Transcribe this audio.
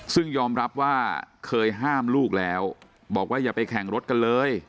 ซึ่งยอมรับว่าเคยห้ามลูกแล้วบอกว่าอย่าไปแข่งรถกันเลย